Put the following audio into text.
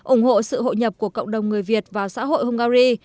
ủng hộ sự hội nhập của cộng đồng người việt và xã hội hungary